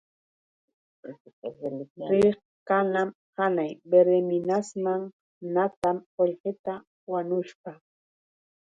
Riq kanan hanay Verdeminasman natam qullqita wanushpa.